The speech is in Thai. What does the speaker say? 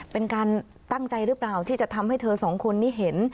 เป็นการตั้งใจหรือเปล่าที่จะทำให้เธอสองคนนี้เห็น